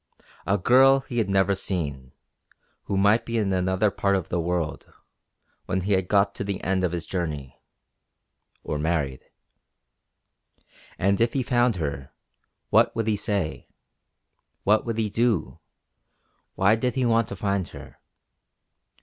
A girl he had never seen, who might be in another part of the world, when he had got to the end of his journey or married. And if he found her, what would he say? What would he do? Why did he want to find her?